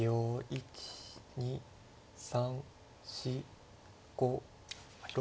１２３４５６。